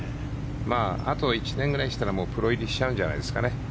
あと１年くらいしたらもうプロ入りしちゃうんじゃないですかね。